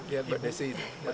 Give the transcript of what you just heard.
ya kita lihat bu